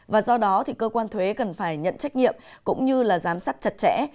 và do đó cơ quan thuế cần phải nhận trách nhiệm cũng như giám sát chặt chẽ